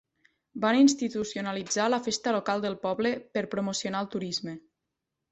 Van institucionalitzar la festa local del poble per promocionar el turisme.